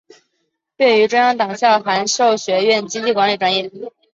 毕业于中央党校函授学院经济管理专业。